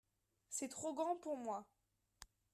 C’est trop grand pour moi.